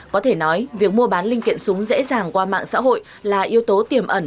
có thể nói việc mua bán linh kiện súng dễ dàng qua mạng xã hội là yếu tố tiềm ẩn